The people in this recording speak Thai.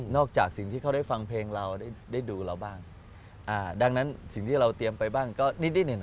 จากสิ่งที่เขาได้ฟังเพลงเราได้ดูเราบ้างดังนั้นสิ่งที่เราเตรียมไปบ้างก็นิดนิดหนึ่ง